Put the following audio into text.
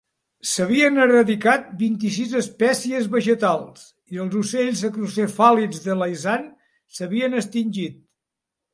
S'havien eradicat vint-i-sis espècies vegetals i els ocells acrocefàlids de Laysan s'havien extingit.